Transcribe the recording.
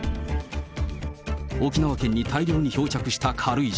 沖縄県に大量に漂着した軽石。